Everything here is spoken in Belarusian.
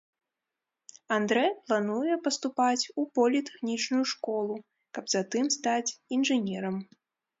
Андрэ плануе паступаць у політэхнічную школу, каб затым стаць інжынерам.